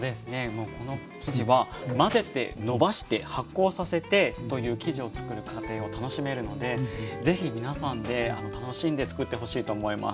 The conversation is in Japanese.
もうこの生地は混ぜてのばして発酵させてという生地をつくる過程を楽しめるので是非皆さんで楽しんでつくってほしいと思います。